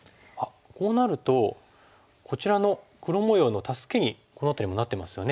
こうなるとこちらの黒模様の助けにこの辺りもなってますよね。